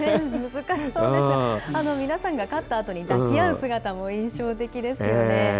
皆さんが勝ったあとに抱き合う姿も印象的ですよね。